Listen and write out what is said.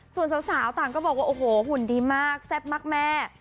ส่วนสาวต่างก็บอกว่าโอ้โหหุ่นดีมากแซ่บมากแม่